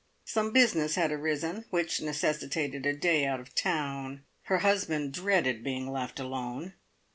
Some business had arisen which necessitated a day out of town. Her husband dreaded being left alone.